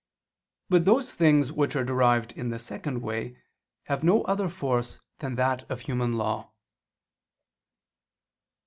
But those things which are derived in the second way, have no other force than that of human law.